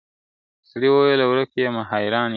سړي وویله ورک یمه حیران یم `